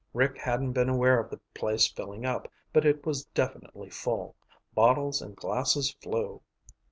Rick hadn't been aware of the place filling up, but it was definitely full. Bottles and glasses flew.